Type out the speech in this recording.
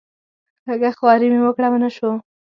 لږه خواري مې وکړه ونه شو.